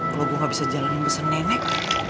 kalau gue gak bisa jalanin pesan nenek